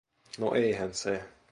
No eihän se.